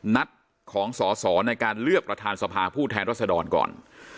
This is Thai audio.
นัดของสอสอในการเลือกประธานสภาผู้แทนรัศดรก่อน